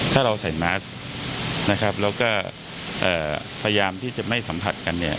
ถ้าเราใส่แมสนะครับแล้วก็พยายามที่จะไม่สัมผัสกันเนี่ย